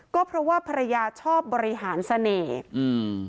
ก็เพราะว่าภรรยาชอบบริหารเสน่ห์อืม